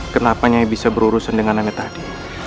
kenapa hanya bisa berurusan dengan namanya tadi